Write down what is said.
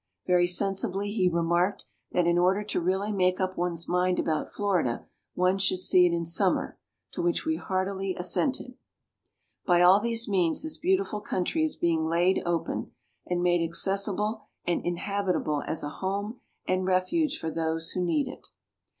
Very sensibly he remarked, that, in order to really make up one's mind about Florida, one should see it in summer; to which we heartily assented. By all these means this beautiful country is being laid open, and made accessible and inhabitable as a home and refuge for those who need it.